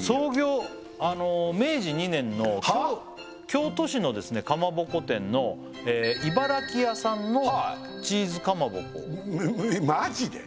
創業明治２年の京都市のかまぼこ店の茨木屋さんのチーズ蒲鉾マジで？